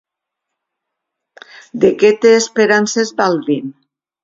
De què té esperances Baldvin?